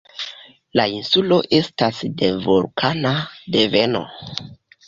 La insulo estas de vulkana deveno.